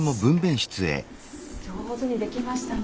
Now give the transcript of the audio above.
上手にできましたね。